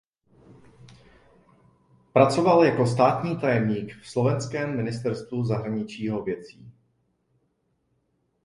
Pracoval jako státní tajemník v slovenském ministerstvu zahraničního věcí.